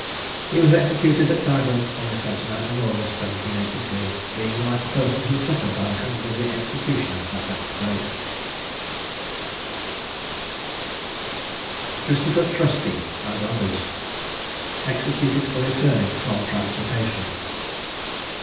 He was executed at Tyburn on the 29th August, 1783, being the last person who suffered by the hands of the executioner at that place. CHRISTOPHER TRUSTY, AND OTHERS. EXECUTED FOR RETURNING FROM TRANSPORTATION.